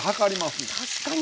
確かに。